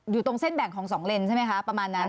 อยู่ตรงเส้นแบ่งของ๒เลนใช่ไหมคะประมาณนั้น